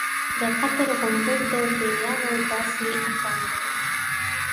د قطر غومبر د پیریانو داسې اتڼ دی.